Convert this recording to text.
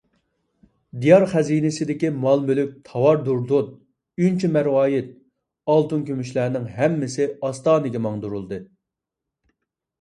دىيار خەزىنىسىدىكى مال - مۈلۈك، تاۋار - دۇردۇن، ئۈنچە - مەرۋايىت، ئالتۇن - كۈمۈشلەرنىڭ ھەممىسى ئاستانىگە ماڭدۇرۇلدى.